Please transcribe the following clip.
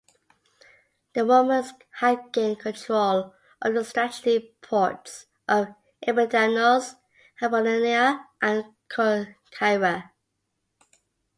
The Romans had gained control of the strategic ports of Epidamnos, Apollonia and Corcyra.